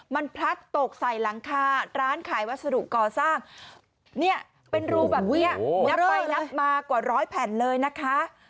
มันพลัดตกใส่หลังคาร้านขายวัสดุก่อสร้างเนี่ยเป็นรูแบบนี้นับไปนับมากว่าร้อยแผ่นเลยนะคะ